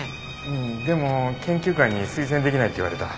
うんでも研究会に推薦出来ないって言われた。